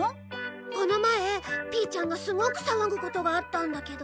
この前ピーちゃんがすごく騒ぐことがあったんだけど。